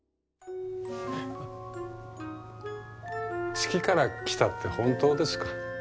月から来たって本当ですか？